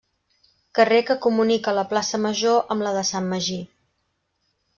Carrer que comunica la plaça Major amb la de Sant Magí.